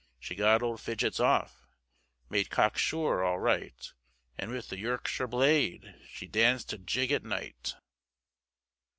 She got old Fidgets off, Made cock sure all right, And with the Yorkshire blade She danced a jig at night.